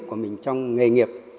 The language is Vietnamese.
của mình trong nghề nghiệp